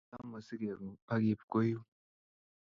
Laa mosige ng'ung' akiip kwo yuun.